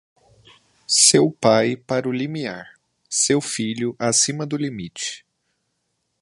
Seu pai para o limiar, seu filho acima do limite.